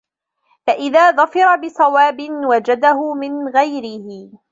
فَإِنْ ظَفِرَ بِصَوَابٍ وَجَدَهُ مِنْ غَيْرِهِ